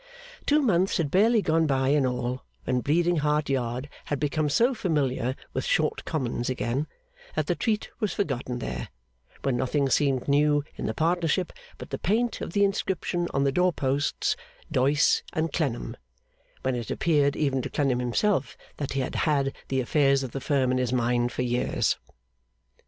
Two months had barely gone by in all, when Bleeding Heart Yard had become so familiar with short commons again, that the treat was forgotten there; when nothing seemed new in the partnership but the paint of the inscription on the door posts, DOYCE AND CLENNAM; when it appeared even to Clennam himself, that he had had the affairs of the firm in his mind for years.